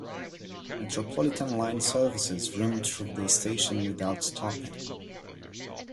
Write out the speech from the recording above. Metropolitan line services run through the station without stopping.